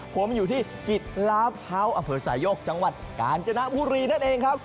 ผมอยู่ที่กิจร้าพร้าวอเผิดสายโยกจังหวัดกาลจนามบุรีนั่นเองครับ